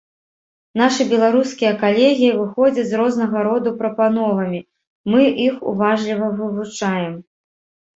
Нашы беларускія калегі выходзяць з рознага роду прапановамі, мы іх уважліва вывучаем.